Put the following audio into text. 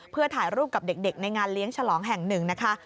เพื่อถ่ายรูปกับเด็กในงานเลี้ยงฉลองแห่งหนึ่งนะคะ